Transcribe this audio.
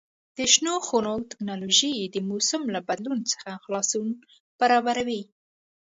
د شنو خونو تکنالوژي د موسم له بدلون څخه خلاصون برابروي.